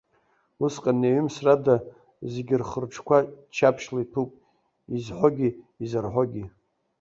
Усҟан неиҩымсрада, зегь рхы-рҿқәа ччаԥшьла иҭәуп, изҳәогьы, изарҳәогьы!